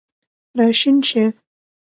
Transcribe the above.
راشین شي